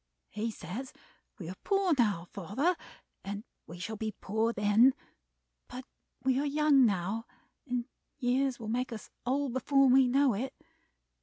He says we are poor now, father, and we shall be poor then, but we are young now, and years will make us old before we know it.